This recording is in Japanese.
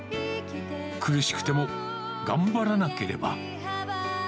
苦しくても頑張らなければ。